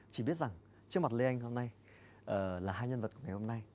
chỉ biết rằng trước mặt lê anh hôm nay là hai nhân vật của ngày hôm nay